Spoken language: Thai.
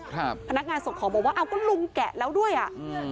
พนักงานส่งของบอกว่าอ้าวก็ลุงแกะแล้วด้วยอ่ะอืม